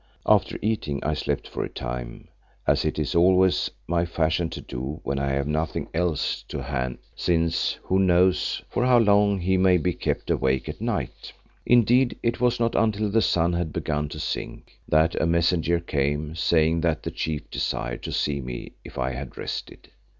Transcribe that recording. After eating I slept for a time as it is always my fashion to do when I have nothing else on hand, since who knows for how long he may be kept awake at night? Indeed, it was not until the sun had begun to sink that a messenger came, saying that the Chief desired to see me if I had rested.